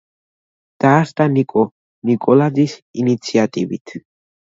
დაარსდა ნიკო ნიკოლაძის ინიციატივით.